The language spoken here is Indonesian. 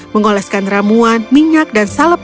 mengoleskan ramuan minyak dan salep